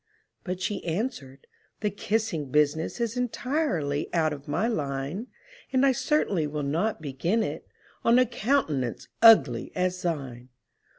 But she answered, "The kissing business Is entirely out of my line; And I certainly will not begin it On a countenance ugly as thine!"